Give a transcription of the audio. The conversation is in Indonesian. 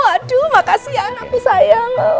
aduh makasih ya anakku sayang